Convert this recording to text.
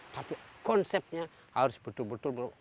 tapi konsepnya harus betul betul